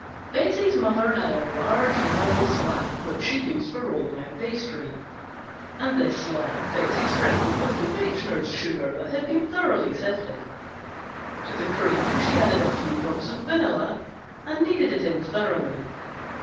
Betsey's mother had a large marble slab which she used for rolling out pastry, and this slab Betsey sprinkled with confectioner's sugar that had been thoroughly sifted. To the cream she added a few drops of vanilla and kneaded it in thoroughly.